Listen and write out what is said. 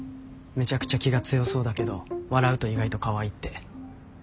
めちゃくちゃ気が強そうだけど笑うと意外とかわいいって。